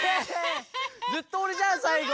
ずっとおれじゃんさいご！